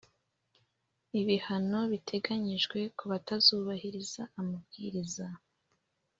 ibihano biteganyijwe kubatazubahiriza amabwiriza